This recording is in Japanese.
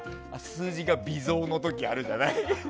数字が微増の時あるじゃない？